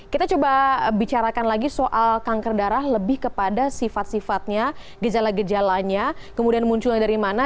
kita coba bicarakan lagi soal kanker darah lebih kepada sifat sifatnya gejala gejalanya kemudian munculnya dari mana